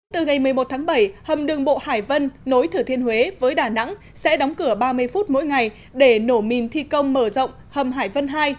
từ ngày một mươi một tháng bảy hầm đường bộ hải vân nối thử thiên huế với đà nẵng sẽ đóng cửa ba mươi phút mỗi ngày để nổ mìn thi công mở rộng hầm hải vân hai